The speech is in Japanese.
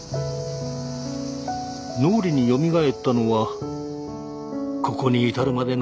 脳裏によみがえったのはここに至るまでの